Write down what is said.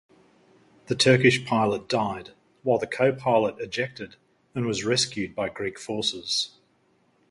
The Turkish pilot died, while the co-pilot ejected and was rescued by Greek forces.